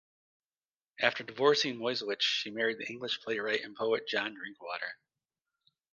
After divorcing Moiseiwitsch, she married the English playwright and poet John Drinkwater.